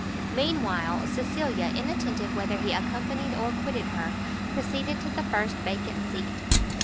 Mean while Cecilia, inattentive whether he accompanied or quitted her proceeded to the first vacant seat.